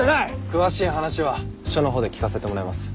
詳しい話は署のほうで聞かせてもらいます。